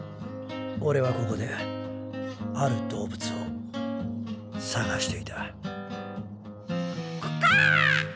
オレはここである動物を捜していたクカァ。